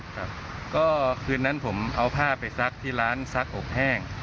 ครับก็คืนนั้นผมเอาผ้าไปซักที่ร้านซักอบแห้ง